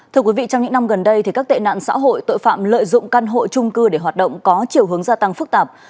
trong những năm gần đây các tệ nạn xã hội tội phạm lợi dụng căn hộ trung cư để hoạt động có chiều hướng gia tăng phức tạp